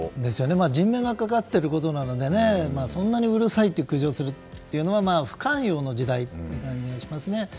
人命がかかっていることなのでそんなにうるさいって苦情をするっていうのは不寛容の時代だなって感じがしますね。